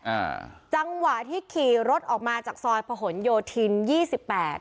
อ่าจังหวะที่ขี่รถออกมาจากซอยผนโยธินยี่สิบแปด